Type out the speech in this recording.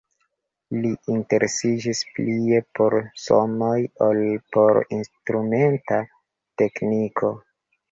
Li interesiĝis plie por sonoj ol por instrumenta tekniko.